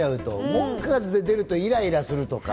文句が出るとイライラするとか。